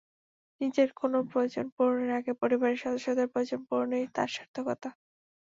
নিজের কোনো প্রয়োজন পূরণের আগে পরিবারের সদস্যদের প্রয়োজন পূরণেই তাঁর সার্থকতা।